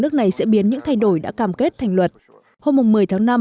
nước này sẽ biến những thay đổi đã cam kết thành luật hôm một mươi tháng năm